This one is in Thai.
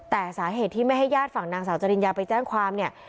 แต่สาเหตุที่ไม่ให้ญาติฝั่งนางสาวจริญญาไปแจ้งความเนี่ย